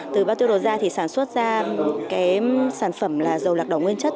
từ bao tiêu đầu ra thì sản xuất ra cái sản phẩm là dầu lạc đỏ nguyên chất